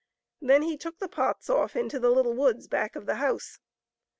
Then he took the pots ofif into the little woods back of the house.